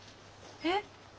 えっ？